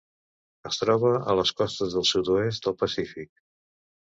Es troba a les costes del sud-oest del Pacífic: